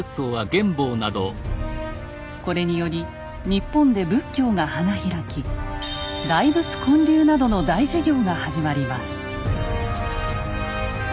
これにより日本で仏教が花開き大仏建立などの大事業が始まります。